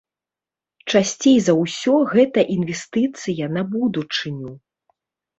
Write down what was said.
Часцей за ўсё гэта інвестыцыя на будучыню.